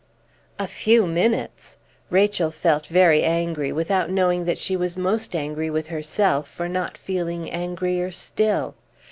A few minutes! Rachel felt very angry, without knowing that she was most angry with herself for not feeling angrier still.